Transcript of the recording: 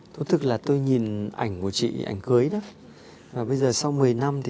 thú thực với chị là khó có nói chuyện nào của người giấu mặt